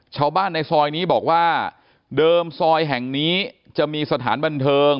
ชาวบ้านในซอยนี้บอกว่าเดิมซอยแห่งนี้จะมีสถานบันเทิง